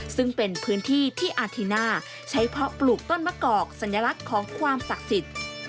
ซึ่งเป็นพื้นที่ที่อาทิน่าใช้เพาะปลูกต้นมะกอกสัญลักษณ์ของความศักดิ์สิทธิ์